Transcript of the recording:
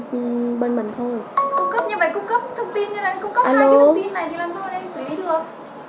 cung cấp như vậy cung cấp thông tin như thế này cung cấp hai cái thông tin này thì làm sao em xử lý được